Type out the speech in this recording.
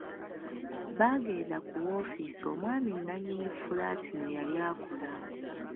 Baagenda ku woofiisi omwami nnannyini fulaati mwe yali akola.